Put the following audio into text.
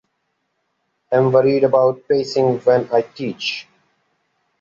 I’m worried about pacing when I teach.